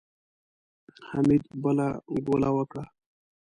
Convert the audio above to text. حميد بله ګوله وکړه.